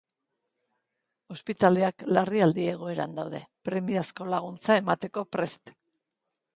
Ospitaleak larrialdi egoeran daude, premiazko laguntza emateko prest.